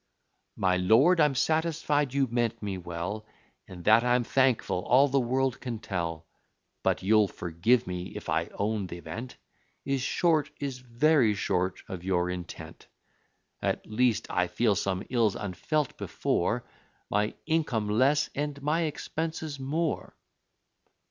"My lord, I'm satisfied you meant me well, And that I'm thankful, all the world can tell; But you'll forgive me, if I own the event Is short, is very short, of your intent: At least, I feel some ills unfelt before, My income less, and my expenses more."